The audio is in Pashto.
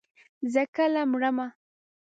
زه کله مرمه.